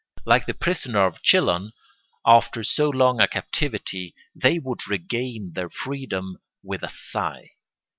Like the prisoner of Chillon, after so long a captivity, they would regain their freedom with a sigh.